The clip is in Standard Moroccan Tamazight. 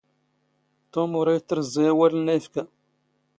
ⵜⵓⵎ ⵓⵔ ⴰⵔ ⵉⵜⵜⵕⵥⵥⴰ ⴰⵡⴰⵍ ⵏⵏⴰ ⵉⴼⴽⴰ.